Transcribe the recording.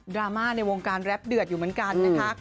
ราม่าในวงการแรปเดือดอยู่เหมือนกันนะคะ